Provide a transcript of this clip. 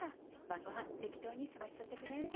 晩ごはん適当に済ましちょってくれん？